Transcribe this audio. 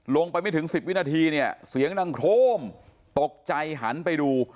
ลงประมาณ๑๐วินาทีเสียงนั่งโทษตกใจหันไปดู